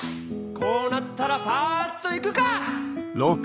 こうなったらパっと行くか！